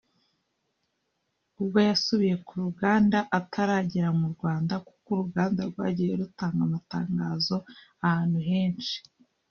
ubwo yasubiye ku ruganda (ataragera mu Rwanda) kuko uruganda rwagiye rutanga amatangazo ahantu henshi